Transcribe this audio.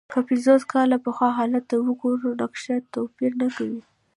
که پنځوس کاله پخوا حالت ته وګورو، نقشه توپیر نه کوي.